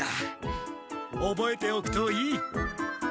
おぼえておくといい。